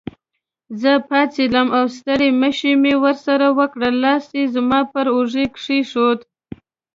زه پاڅېدم او ستړي مشي مې ورسره وکړل، لاس یې زما پر اوږه کېښود.